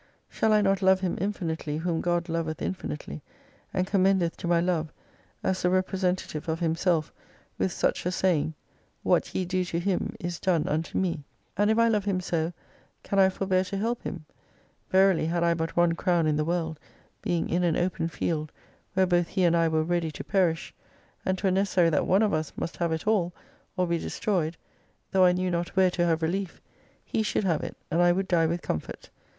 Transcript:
Shall I not love Him infinitely whom God loveth infinitely, and commendeth to my love, as the representative of Himself, with such a saying, IV/ia^ ve do to him is done unto Me ? And if I love him so, can I forbear to help him ? Verily had I but one crown in the world, being in an open field, ^,\rh.ere both he and I were ready to perish, and 'twere necessary that one of us must have it all or be destroyed, though I knew not where to have reUef, he should have it, and I would die with comfort.